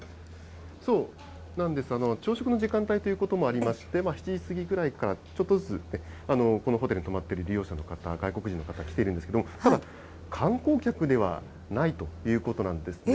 そうなんです、朝食の時間帯ということもありまして、７時過ぎぐらいからちょっとずつ、このホテルに泊まっている利用者の方、外国人の方、来てるんですけど、ただ、観光客ではないということなんですね。